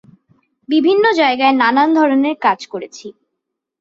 বিভিন্ন জায়গায় নানান ধরনের কাজ করেছি।